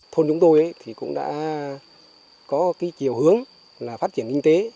thôn chúng tôi thì cũng đã có chiều hướng là phát triển kinh tế